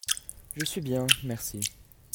Je suis bien, merci !